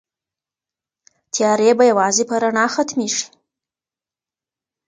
تيارې به يوازې په رڼا ختميږي.